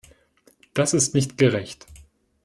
Das ist nicht gerecht.